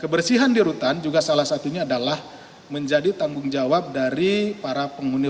kebersihan di rutan juga salah satunya adalah menjadi tanggung jawab dari para penghuni